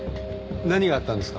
何があったんですか？